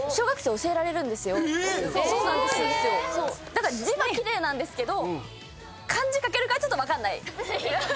えっ⁉字は奇麗なんですけど漢字書けるかちょっと分かんない。